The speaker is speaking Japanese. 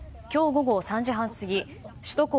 午後３時半過ぎ首都高